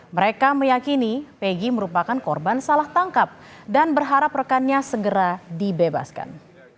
mereka meyakini peggy merupakan korban salah tangkap dan berharap rekannya segera dibebaskan